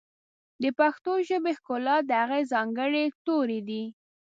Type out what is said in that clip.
د پښتو ژبې ښکلا د هغې ځانګړي توري دي.